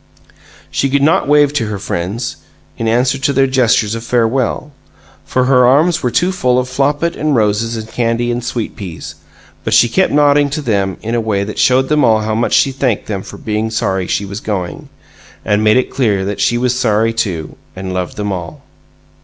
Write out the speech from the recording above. She could not wave to her friends, in answer to their gestures of farewell, for her arms were too full of Flopit and roses and candy and sweet peas; but she kept nodding to them in a way that showed them how much she thanked them for being sorry she was going and made it clear that she was sorry, too, and loved them all.